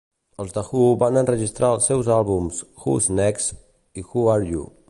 Els The Who van enregistrar els seus àlbums "Who's Next" i "Who Are You".